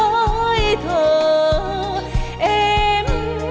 mà sông a lâm